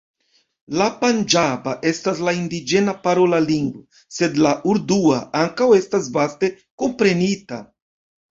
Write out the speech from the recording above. La panĝaba estas la indiĝena parola lingvo, sed la urdua ankaŭ estas vaste komprenita.